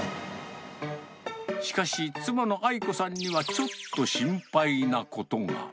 しかし、妻の愛子さんにはちょっと心配なことが。